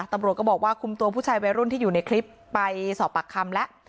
ตำรวจก็บอกว่าคุมตัวผู้ชายวัยรุ่นที่อยู่ในคลิปไปสอบปากคำแล้ว